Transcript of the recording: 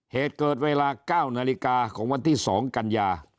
เหตุเกิดเวลา๙นาฬิกาของวันที่๒กันยา